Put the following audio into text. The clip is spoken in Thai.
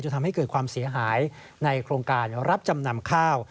ทำให้เกิดความเสียหายในโครงการรับจำนำข้าว